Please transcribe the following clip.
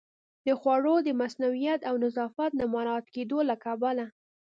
د خوړو د مصئونیت او نظافت نه مراعت کېدو له کبله